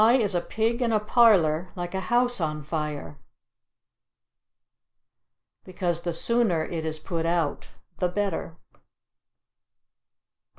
Why is a pig in a parlor like a house on fire? Because the sooner it is put out the better.